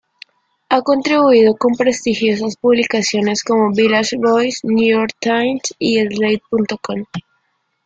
Ha contribuido con prestigiosas publicaciones como "Village Voice", "New York Times" y Slate.com.